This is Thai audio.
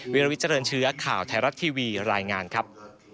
วิลวิเจริญเชื้อข่าวไทยรัฐทีวีรายงานครับ